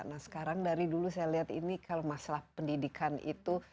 nah sekarang dari dulu saya lihat ini kalau masalah pendidikan itu